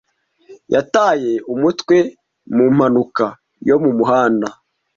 Yataye umutwe mu mpanuka yo mu muhanda.